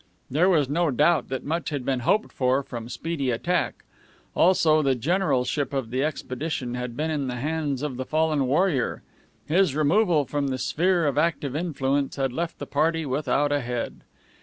There was no doubt that much had been hoped for from speedy attack. Also, the generalship of the expedition had been in the hands of the fallen warrior. His removal from the sphere of active influence had left the party without a head.